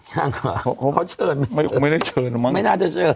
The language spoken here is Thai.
ยังหรอเขาเชิญไม่ไม่ได้เชิญหรอมั้งไม่น่าจะเชิญ